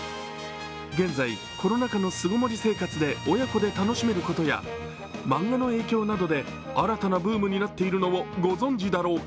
現在、コロナ禍の巣ごもり生活で親子で楽しめることや漫画の影響などで新たなブームになっているのをご存じだろうか。